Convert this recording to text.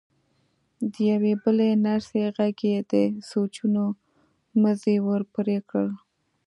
د يوې بلې نرسې غږ يې د سوچونو مزی ور پرې کړ.